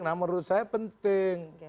nah menurut saya penting